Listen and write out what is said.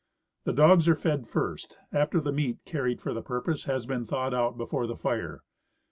The dogs are fed first, after the meat carried for the purpose has been thawed out before the fire.